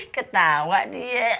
ih ketawa dia